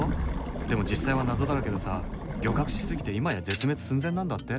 でも実際は謎だらけでさ漁獲しすぎて今や絶滅寸前なんだって。